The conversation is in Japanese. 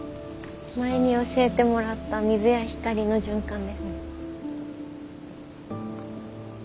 前に教えてもらった水や光の循環ですね。